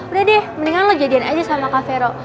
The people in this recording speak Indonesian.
udah deh mendingan lo jadian aja sama kak vero